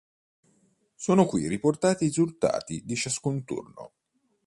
Sono qui riportati i risultati di ciascun turno.